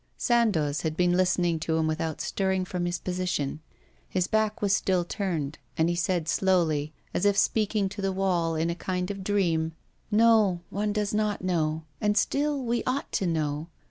Sandoz had been listening to him without stirring from his position. His back was still turned, and he said slowly, as if speaking to the wall in a kind of dream: 'No; one does not know, and still we ought to know.